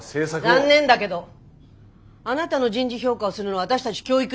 残念だけどあなたの人事評価をするのは私たち教育委員会だから。